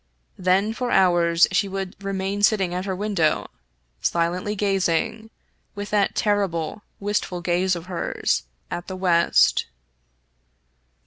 Then for hours she would remain sitting at her window, silently gazing, with that terrible, wistful gaze of hers, at the west.